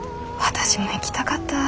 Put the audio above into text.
私も行きたかった。